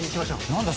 何だ？